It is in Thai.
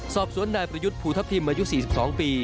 สอบสวนนายประยุทธ์ภูทับทิมอายุ๔๒ปี